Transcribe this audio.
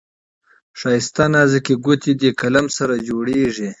ښايسته نازكي ګوتې دې قلم سره جوړیږي.